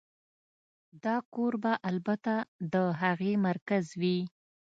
دا کور به البته د هغې مرکز وي